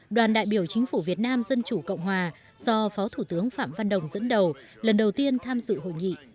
đoàn đại biểu chính phủ việt nam dân chủ cộng hòa do phó thủ tướng phạm văn đồng dẫn đầu lần đầu tiên tham dự hội nghị